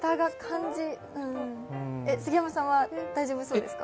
杉山さんは大丈夫そうですか？